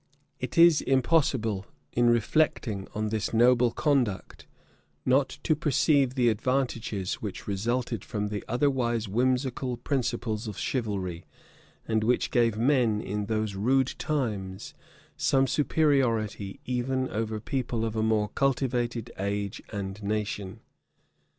[] It is impossible, in reflecting on this noble conduct, not to perceive the advantages which resulted from the otherwise whimsical principles of chivalry, and which gave men in those rude times some superiority even over people of a more cultivated age and nation.